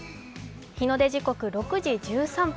日の出時刻６時１３分。